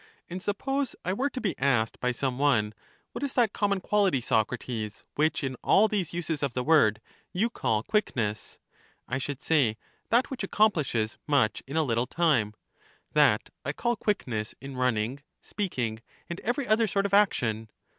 And suppose I were to be asked by some one : What is that common quality, Socrates, which, in all these uses of the word, you call quickness? I should say that which accomplishes much in a little time — that I call quickness in running, speaking, and every other sort of action.